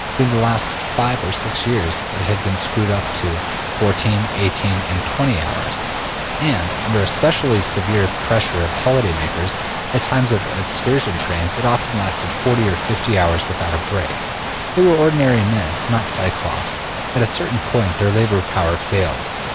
During the last five or six years it had been screwed up to 14, 18, and 20 hours, and under a specially severe pressure of holiday makers, at times of excursion trains, it often lasted 40 or 50 hours without a break. They were ordinary men, not Cyclops. At a certain point their labor power failed.